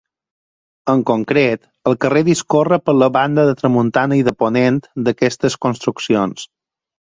En concret, el carrer discorre per la banda de tramuntana i de ponent d'aquestes construccions.